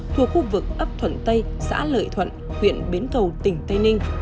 thuộc khu vực ấp thuận tây xã lợi thuận huyện bến cầu tỉnh tây ninh